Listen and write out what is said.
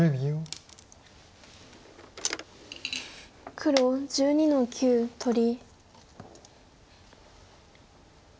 黒１２の九取り。